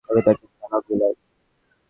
আমি তাঁকে সালাম দিলাম।